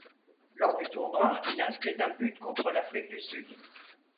Lors du tournoi, il inscrit un but contre l'Afrique du Sud.